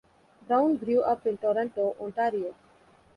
Brown grew up in Toronto, Ontario.